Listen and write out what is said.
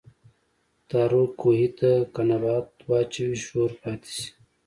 تاروۀ کوهي ته کۀ نبات واچوې شور پاتې شي